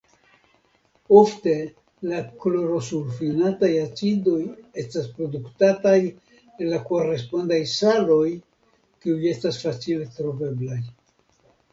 Ofte la klorosulfinataj acidoj estas produktataj el la korespondaj saloj kiuj estas facile troveblaj.